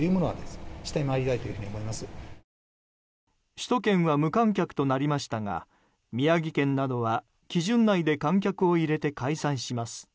首都圏は無観客となりましたが宮城県などは基準内で観客を入れて開催します。